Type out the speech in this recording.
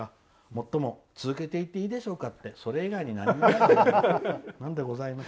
もっとも、続けていっていいでしょうかってそれ以外に何があるんだと。